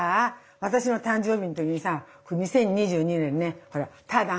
私の誕生日の時にさ２０２２年ねほらたーたん。